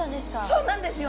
そうなんですよ。